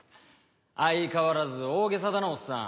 相変わらず大げさだなおっさん。